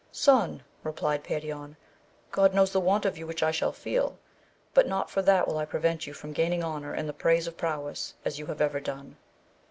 Son, replied Perion, God knows the want of you which I shall feel I but not for that will I prevent you from gaining honour and the praise of prowess, as you have ever done.